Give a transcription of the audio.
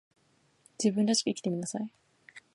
自分らしく生きてみなさい